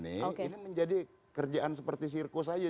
ini menjadi kerjaan seperti sirkus saja